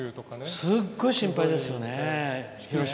すっごい心配ですね。